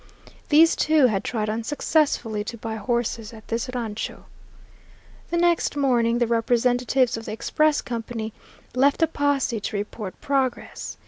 These two had tried unsuccessfully to buy horses at this rancho. The next morning the representative of the express company left the posse to report progress.